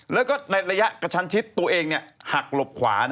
แล้วก็ในระยะกระชันชิดตัวเองหักหลบขวา